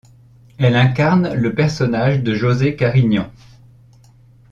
Elle incarne le personnage de Josée Carignan.